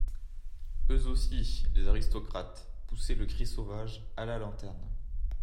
Eux aussi, les aristocrates, poussaient le cri sauvage : A la lanterne.